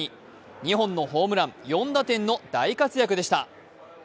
２本のホームラン、４打点の大活躍でした。